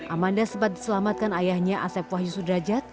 amanda sempat diselamatkan ayahnya asep wahyu sudrajat